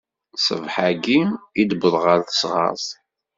Ṣṣbeḥ-ayi i d-wwḍeɣ ɣer teɣsert.